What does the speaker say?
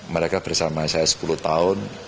mereka bersama saya sepuluh tahun